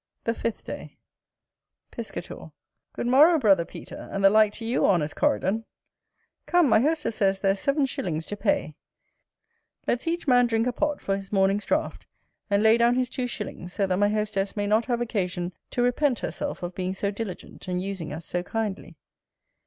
The FIFTH day. Piscator. Good morrow, brother Peter, and the like to you, honest Coridon. Come, my hostess says there is seven shillings to pay: let's each man drink a pot for his morning's draught, and lay down his two shillings, so that my hostess may not have occasion to repent herself of being so diligent, and using us so kindly.